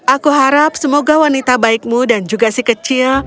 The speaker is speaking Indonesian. aku harap semoga wanita baikmu dan juga si kecil